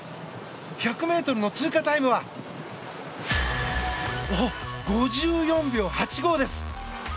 １００ｍの通過タイムは５４秒８５です。